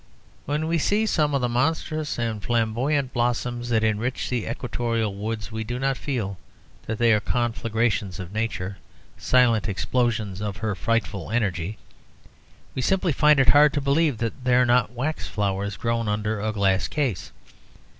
When we see some of the monstrous and flamboyant blossoms that enrich the equatorial woods, we do not feel that they are conflagrations of nature; silent explosions of her frightful energy. We simply find it hard to believe that they are not wax flowers grown under a glass case.